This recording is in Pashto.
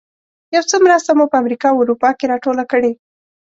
یو څه مرسته مو په امریکا او اروپا کې راټوله کړې.